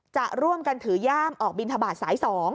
จะร่วมกันถือย่ามออกบินทบาทสาย๒